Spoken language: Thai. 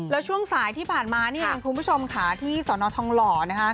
แล้วช่วงสายที่ผ่านมานี่เองคุณผู้ชมค่ะที่สอนอทองหล่อนะคะ